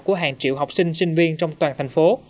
của hàng triệu học sinh sinh viên trong toàn thành phố